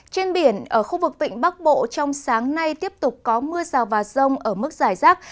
trên biển ở khu vực vịnh bắc bộ trong sáng nay tiếp tục có mưa rào và rông ở mức giải rác